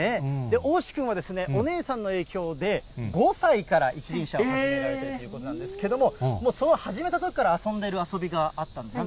おうし君は、お姉さんの影響で、５歳から一輪車を始められてるということなんですけれども、もうその始めたときから遊んでる遊びがあったんですよね。